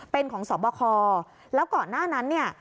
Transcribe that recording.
เป็นของสอบคอแล้วก่อนหน้านั้นเนี่ย